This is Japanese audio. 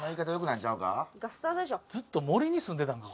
ずっと森に住んでたんか？